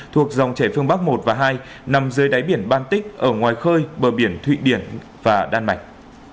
thuộc dòng trẻ phương bắc một và hai nằm dưới đáy biển baltic ở ngoài khơi bờ biển thụy điển và đan mạch